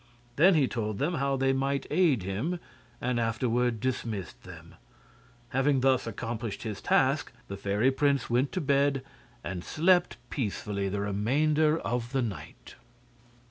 Then he told them how they might aid him, and afterward dismissed them. Having thus accomplished his task, the fairy prince went to bed and slept peacefully the remainder of the night.